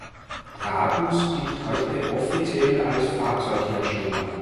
Brabus gilt heute offiziell als Fahrzeughersteller.